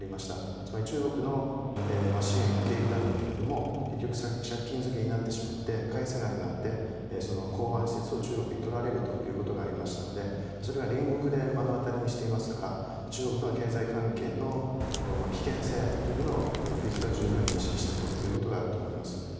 つまり中国の支援を受け入れたんだけれども結局、借金漬けになってしまって返せなくなってその港湾施設を中国に取られるということがありましたのでそれは隣国で目の当たりにしていますから中国の経済関係の危険性というのをフィジーは十分に認識していることがあります。